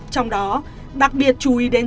trong đó đặc biệt chú ý đến